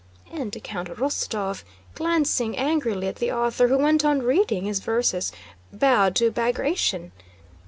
and Count Rostóv, glancing angrily at the author who went on reading his verses, bowed to Bagratión.